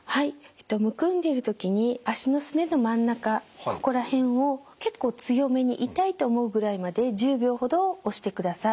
むくんでいる時に足のすねの真ん中ここら辺を結構強めに痛いと思うぐらいまで１０秒ほど押してください。